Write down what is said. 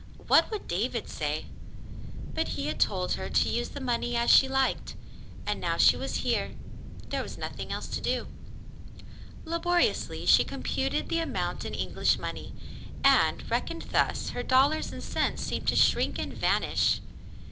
What would David say ? But he had told her to use the money as she liked, and now she was here, there was nothing else to do. Laboriously she computed the amount in English money, and, reckoned thus, her dollars and cents seemed to shrink and vanish.